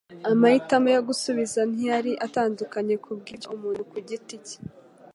Amahitamo yo gusubiza ntiyari atandukanye kubwibyo umuntu ku giti cye